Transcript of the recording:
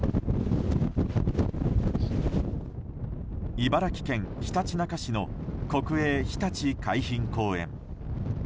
茨城県ひたちなか市の国営ひたち海浜公園。